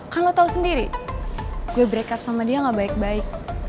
kan lo tau sendiri gue breakup sama dia gak baik baik